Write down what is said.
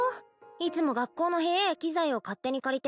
いつも学校の部屋や機材を勝手に借りて